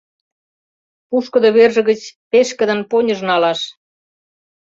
Пушкыдо верже гыч пешкыдын поньыж налаш.